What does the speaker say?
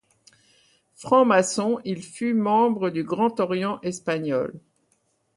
Franc-maçon, il fut membre du Grand Orient Espagnol.